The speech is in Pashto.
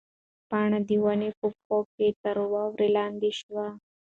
پاڼه د ونې په پښو کې تر واورو لاندې شوه.